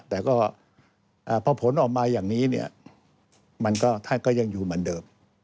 แต่พอผลออกมาอย่างนี้ท่านก็ยังอยู่เหมือนเดิม